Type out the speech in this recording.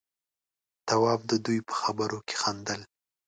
تواب د دوي په خبرو کې خندل.